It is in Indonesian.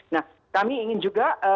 nah kami ingin juga